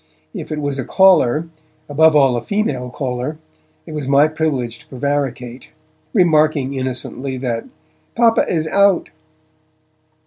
If it was a caller, above all a female caller, it was my privilege to prevaricate, remarking innocently that 'Papa is out!'